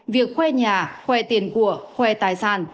việc khoe nhà khoe tiền của khoe tài sản